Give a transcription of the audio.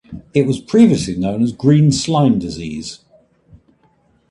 It was previously known as Green Slime Disease.